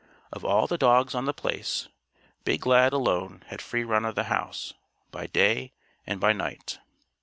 Of all the dogs on The Place, big Lad alone had free run of the house, by day and by night.